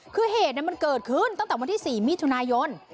คือเหตุมันเกิดขึ้นตั้งแต่วันที่๔มิถุนายน